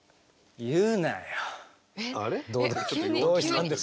どうしたんですか？